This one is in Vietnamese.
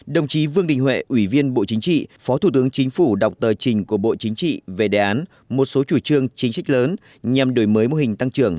đồng chí vương đình huệ ủy viên bộ chính trị phó thủ tướng chính phủ đọc tờ trình của bộ chính trị về đề án một số chủ trương chính sách lớn nhằm đổi mới mô hình tăng trưởng